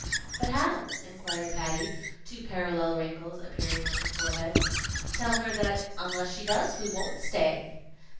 "But how?" inquired Patty, two parallel wrinkles appearing on her forehead. "Tell her that unless she does, we won't stay."